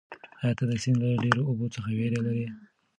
ایا ته د سیند له ډېرو اوبو څخه وېره لرې؟